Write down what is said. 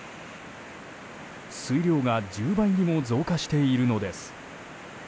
水量が１０倍にも増加しているのです。